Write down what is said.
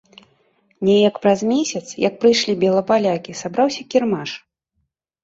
Неяк праз месяц, як прыйшлі белапалякі, сабраўся кірмаш.